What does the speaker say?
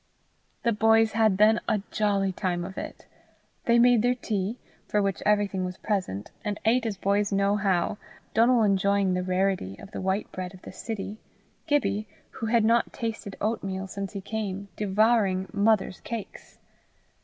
The boys had then a jolly time of it. They made their tea, for which everything was present, and ate as boys know how, Donal enjoying the rarity of the white bread of the city, Gibbie, who had not tasted oatmeal since he came, devouring "mother's cakes."